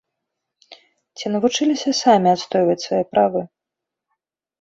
Ці навучыліся самі адстойваць свае правы?